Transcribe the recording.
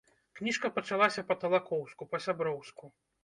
Кніжка пачалася па-талакоўску, па-сяброўску.